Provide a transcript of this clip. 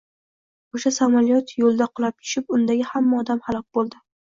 Oʻsha samolyot yulda qulab tushib, undagi hamma odam halok boʻldi